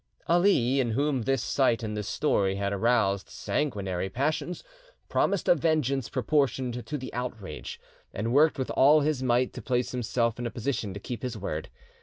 Ali, in whom this sight and this story had aroused, sanguinary passions, promised a vengeance proportioned to the outrage, and worked with all his might to place himself in a position to keep his word.